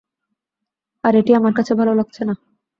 আর এটি আমার কাছে ভালো লাগছেনা।